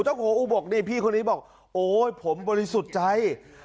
เจ้าของอุบกนี่พี่คนนี้บอกโอ๊ยผมบริสุทธิ์ใจ